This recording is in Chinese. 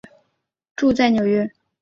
住在纽约。